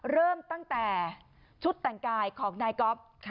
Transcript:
เริ่มตั้งแต่ชุดแต่งกายของนายก๊อฟ